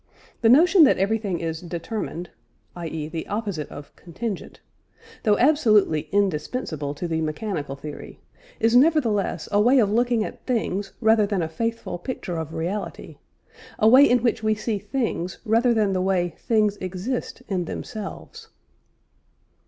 The notion that everything is "determined" (i.e. the opposite of "contingent"), though absolutely indispensable to the mechanical theory, is nevertheless a way of looking at things rather than a faithful picture of reality a way in which we see things rather than the way things exist in themselves.